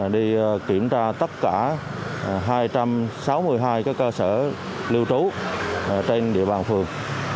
đi kiểm tra tất cả hai trăm sáu mươi hai cơ sở lưu trú trên địa bàn phường